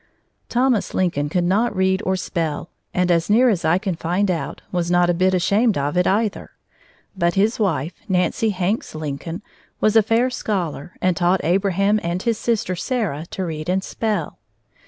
Thomas Lincoln could not read or spell, and as near as I can find out, was not a bit ashamed of it, either. But his wife, Nancy Hanks Lincoln, was a fair scholar and taught Abraham and his sister, Sarah, to read and spell.